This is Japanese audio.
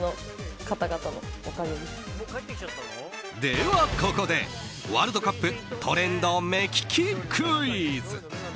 では、ここでワールドカップトレンド目利きクイズ。